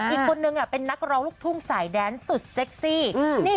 อีกคนนึงเป็นนักร้องลูกทุ่งสายแดนสุดเซ็กซี่